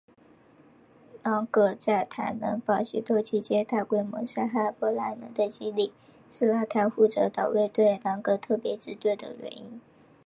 朗格在坦能堡行动期间大规模杀害波兰人的经历是让他负责党卫队朗格特别支队的原因。